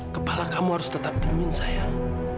kepala kamu harus tetap dingin sayang